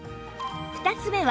２つ目は